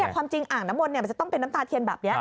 แต่ความจริงอ่างน้ำมนต์มันจะต้องเป็นน้ำตาเทียนแบบนี้